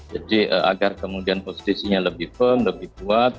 jadi agar kemudian posisinya lebih firm lebih kuat